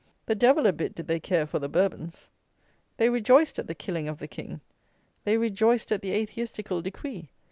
The devil a bit did they care for the Bourbons. They rejoiced at the killing of the king. They rejoiced at the atheistical decree.